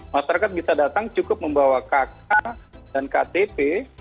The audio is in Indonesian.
masyarakat bisa datang cukup membawa kk dan ktp